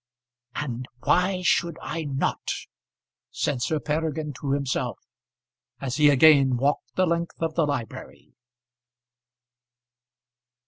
"And why should I not?" said Sir Peregrine to himself, as he again walked the length of the library.